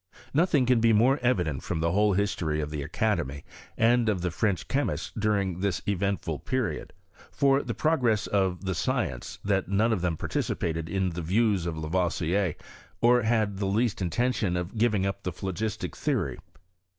Nothing can be more evident from the whole his tory of the academy, and of the French chemists during this eventful period, for the progress of the science, that none of them participated in the views of Lavoisier, or had the least intention of giving up the phlogistic theory.